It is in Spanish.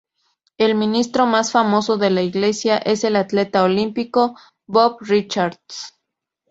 El ministro más famoso de la iglesia es el atleta olímpico Bob Richards.